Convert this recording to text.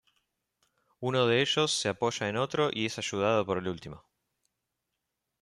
Uno de ellos se apoya en otro y es ayudado por el último.